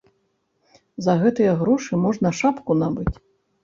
За гэтыя грошы можна шапку набыць.